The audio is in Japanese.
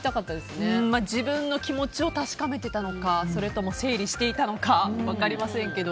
自分の気持ちを確かめていたのかそれとも整理していたのか分かりませんけど。